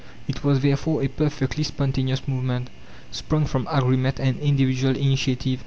It was therefore a perfectly spontaneous movement, sprung from agreement and individual initiative.